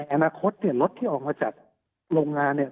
อนาคตเนี่ยรถที่ออกมาจากโรงงานเนี่ย